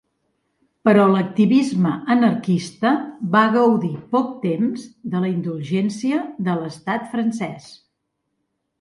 Però l'activisme anarquista va gaudir poc temps de la indulgència de l'Estat francès.